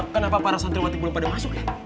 kenapa para santriwati belum pada masuk ya